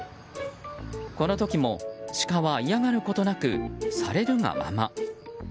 この時もシカは嫌がることなくされるがまま。